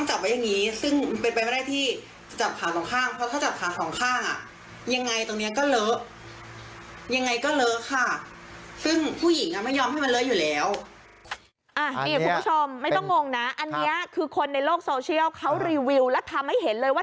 อันนี้คือคนในโลกโซเชียลเขารีวิวแล้วทำให้เห็นเลยว่า